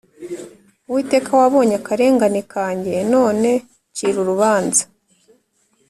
Uwiteka, Wabonye akarengane kanjye, None ncira urubanza.